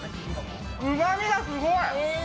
うまみがすごい。